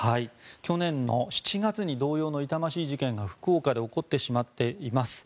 去年の７月に同様の痛ましい事件が福岡で起こってしまっています。